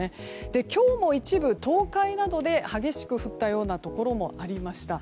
今日も一部、東海などで激しく降ったようなところもありました。